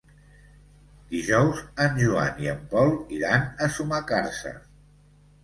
Dijous en Joan i en Pol iran a Sumacàrcer.